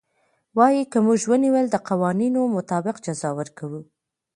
وايي که موږ ونيول د قوانينو مطابق جزا ورکوو.